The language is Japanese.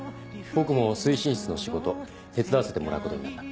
僕も推進室の仕事手伝わせてもらうことになった。